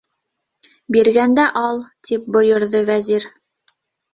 - Биргәндә ал! — тип бойорҙо Вәзир.